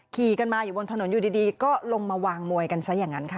ขี่กันมาอยู่บนถนนอยู่ดีก็ลงมาวางมวยกันซะอย่างนั้นค่ะ